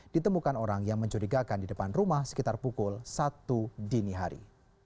ditemukan orang yang mencurigakan di depan rumah sekitar pukul satu dini hari